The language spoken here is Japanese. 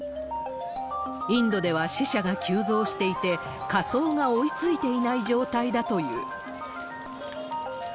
インドでは死者が急増していて、火葬が追いついていない状態だという。